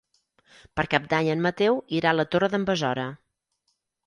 Per Cap d'Any en Mateu irà a la Torre d'en Besora.